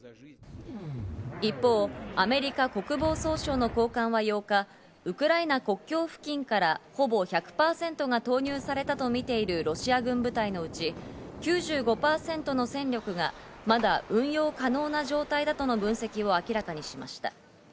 一方、アメリカ国防総省の高官は８日、ウクライナ国境付近からほぼ１００％が投入されたとみているロシア軍部隊のうち、９５％の戦力がまだ運用可能な状態だとの分析を明らかにしました。